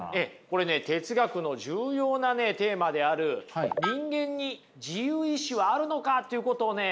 これね哲学の重要なテーマである人間に自由意志はあるのかということをね